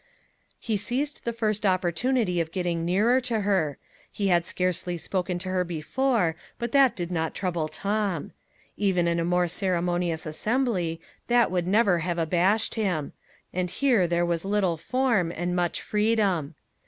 He seized the first opportunity of getting nearer to her. He had scarcely spoken to her before, but that did not trouble Tom. Even in a more ceremonious assembly, that would never have abashed him; and here there was little form, and much freedom.